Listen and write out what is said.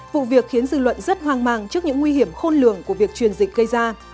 vụ việc khiến dư luận rất hoang mang trước những nguy hiểm khôn lường của việc truyền dịch gây ra